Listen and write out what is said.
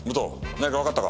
何かわかったか？